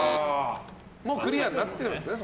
もうクリアになってるんですね